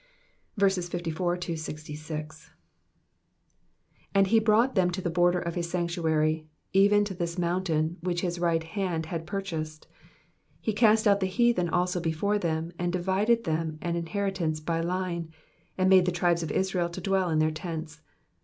54 And he brought them to the border of his sanctuary, even to this mountain, which his right hand had purchased. 55 He cast out the heathen also before them, and divided them an inheritance by line, and made the tribes of Israel to dwell in their tents.